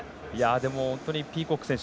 本当にピーコック選手